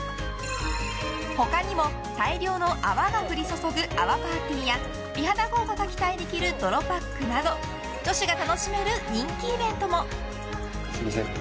他にも大量の泡が降り注ぐ泡パーティーや美肌効果が期待できる泥パックなど女子が楽しめる人気イベントも。